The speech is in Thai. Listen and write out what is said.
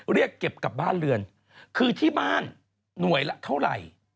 เรียกเก็บกลับบ้านเรือนคือที่บ้านหน่วยละเท่าไหร่